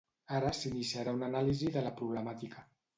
Ara s'iniciarà una anàlisi de la problemàtica.